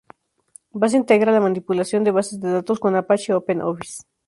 Base integra la manipulación de bases de datos con Apache OpenOffice.